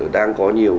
đang có nhiều